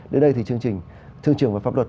đến đây thì chương trình thương trường và pháp luật